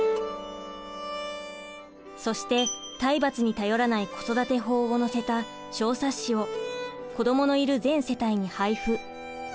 そして体罰に頼らない子育て法を載せた小冊子を子どものいる全世帯に配布。